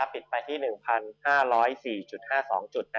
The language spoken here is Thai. ปิดไปที่๑๕๐๔๕๒จุด